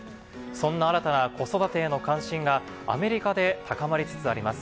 そんな新たな子育てへの関心が、アメリカで高まりつつあります。